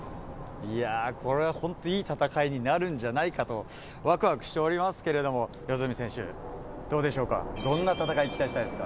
いやー、これは本当にいい戦いになるんじゃないかと、わくわくしておりますけれども、四十住選手、どうでしょうか、どんな戦い期待したいですか。